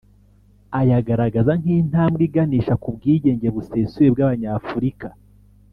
ayagaragaza nk’intambwe iganisha ku bwigenge busesuye bw’abanyafurika